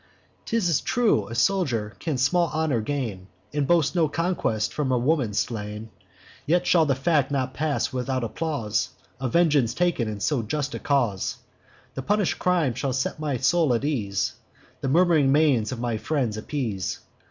'Tis true, a soldier can small honour gain, And boast no conquest, from a woman slain: Yet shall the fact not pass without applause, Of vengeance taken in so just a cause; The punish'd crime shall set my soul at ease, And murm'ring manes of my friends appease.